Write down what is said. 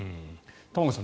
玉川さん